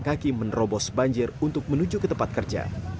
kaki menerobos banjir untuk menuju ke tempat kerja